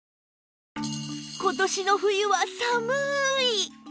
今年の冬は寒い！